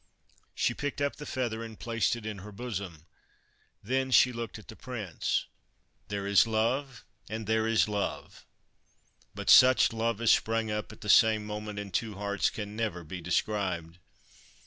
She picked up the feather and placed it in her bosom. Then she looked at the Prince. There is love, and there is love ; but such love as sprang up at the same moment in two hearts can never be described.